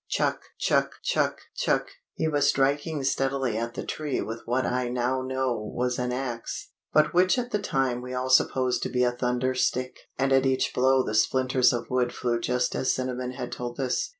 Chuck! chuck! chuck! chuck! He was striking steadily at the tree with what I now know was an axe, but which at the time we all supposed to be a thunder stick, and at each blow the splinters of wood flew just as Cinnamon had told us.